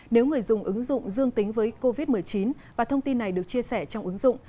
nếu người dùng ứng dụng dương tính với covid một mươi chín và thông tin này được chia sẻ trong ứng dụng